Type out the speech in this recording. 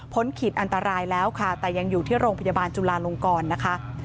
ขีดอันตรายแล้วค่ะแต่ยังอยู่ที่โรงพยาบาลจุลาลงกรนะคะ